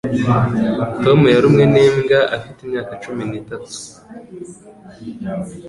Tom yarumwe n'imbwa afite imyaka cumi n'itatu.